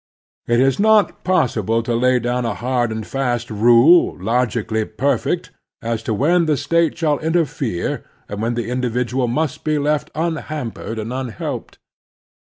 It is not possible to lay down a hard and fast rule, logically perfect, as to when the State shall interfere, and when the individual must be left tmhampered and tmhelped.